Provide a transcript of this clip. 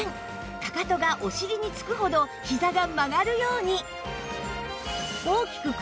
かかとがお尻につくほどひざが曲がるように！